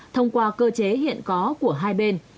thông qua cơ chế hiện có của hai bên